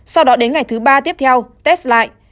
sau đó đến ngày thứ ba tiếp theo test lại